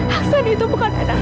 aksan itu bukan anak